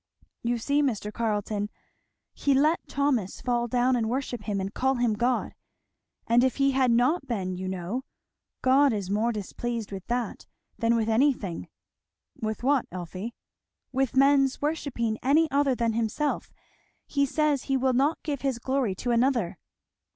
"You see, Mr. Carleton, he let Thomas fall down and worship him and call him God; and if he had not been, you know God is more displeased with that than with any thing.' "With what, Elfie?" "With men's worshipping any other than himself. He says he 'will not give his glory to another.'"